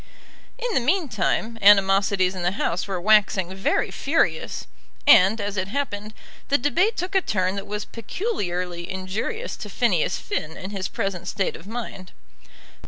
In the meantime animosities in the House were waxing very furious; and, as it happened, the debate took a turn that was peculiarly injurious to Phineas Finn in his present state of mind.